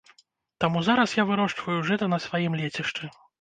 Таму зараз я вырошчваю жыта на сваім лецішчы.